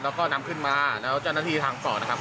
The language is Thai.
แล้วก็นำขึ้นมาแล้วเจ้าหน้าที่ทางต่อนะครับ